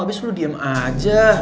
abis lo diam aja